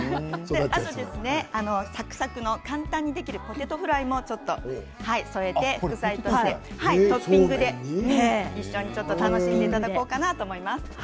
あとはサクサクの簡単にできるポテトフライも添えてトッピングで一緒に楽しんでいただこうかなと思います。